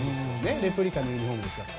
レプリカのユニホームですから。